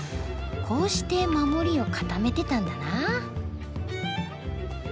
こうして守りを固めてたんだな。